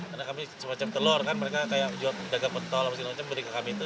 seperti semacam telur kan mereka kayak jual dagang betol berikan ke kami itu